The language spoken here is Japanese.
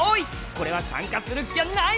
これは参加するっきゃない！